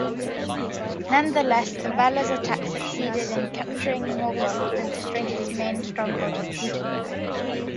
Nonetheless, the Valar's attack succeeded in capturing Morgoth and destroying his main stronghold Utumno.